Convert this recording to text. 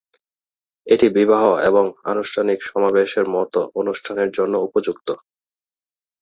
এটি বিবাহ এবং আনুষ্ঠানিক সমাবেশের মতো অনুষ্ঠানের জন্য উপযুক্ত।